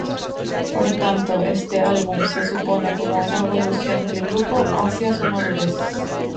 Por tanto, este álbum se supone como una evolución del grupo hacia su madurez.